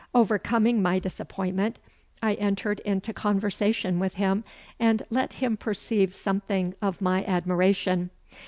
Overcoming my disappointment, I entered into conversation with him and let him perceive something of my admiration.